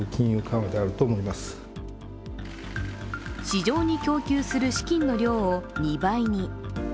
市場に供給する資金の量を２倍に。